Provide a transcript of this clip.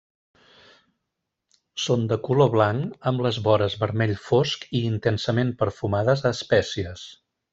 Són de color blanc amb les vores vermell fosc i intensament perfumades a espècies.